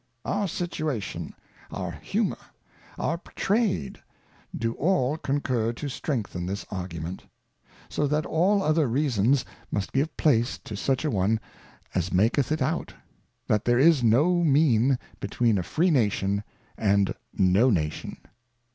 Our Situation, our Humour, our Trade, do all concur to strengthen this Argument. So that all other Reasons must give of a New Model at Sea, 1694. 173 give place to such a one as niaketh it out, that there is no Mean between a Free Nation and No Nation